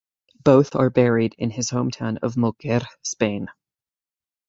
Both are buried in his hometown of Moguer, Spain.